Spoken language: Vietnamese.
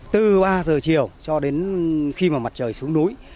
từ ba giờ chiều cho đến khi mà mặt trời xuống núi